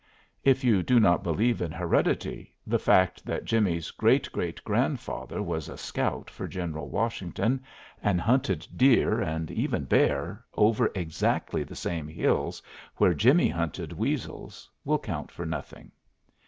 If you do not believe in heredity, the fact that Jimmie's great great grandfather was a scout for General Washington and hunted deer, and even bear, over exactly the same hills where Jimmie hunted weasels will count for nothing.